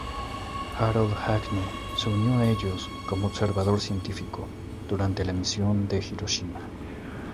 Harold Agnew se unió a ellos como observador científico durante la misión de Hiroshima.